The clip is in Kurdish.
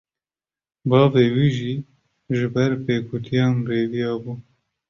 Bavê wî jî, ji ber pêkutiyan reviya bû